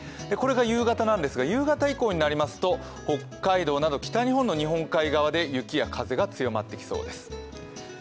これが夕方なんですが、夕方以降になりますと北海道など北日本の日本海側で雪や風が強まってきそうです。